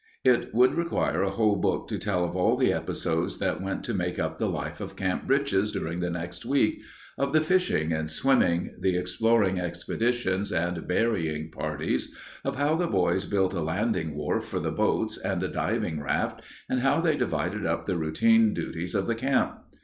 It would require a whole book to tell of all the episodes that went to make up the life of Camp Britches during the next week, of the fishing and swimming, the exploring expeditions and berrying parties, of how the boys built a landing wharf for the boats and a diving raft, and how they divided up the routine duties of the camp.